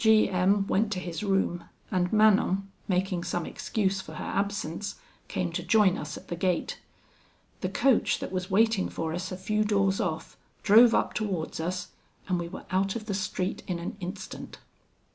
G M went to his room, and Manon, making some excuse for her absence, came to join us at the gate. The coach, that was waiting for us a few doors off, drove up towards us, and we were out of the street in an instant.